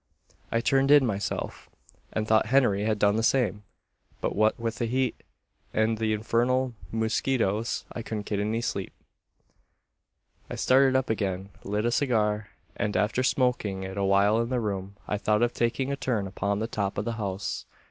"I'd turned in myself; and thought Henry had done the same. But what with the heat, and the infernal musquitoes, I couldn't get any sleep. "I started up again; lit a cigar; and, after smoking it awhile in the room, I thought of taking a turn upon the top of the house.